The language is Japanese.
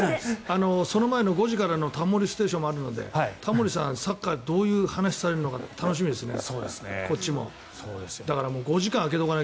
その前の５時からの「タモリステーション」もあるのでタモリさん、サッカーどういう話をされるのかこっちも楽しみですね。